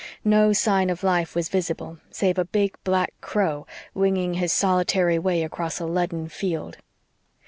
No sign of life was visible, save a big black crow winging his solitary way across a leaden field.